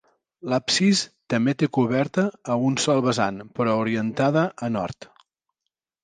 L'absis també té coberta a un sol vessant però orientada a nord.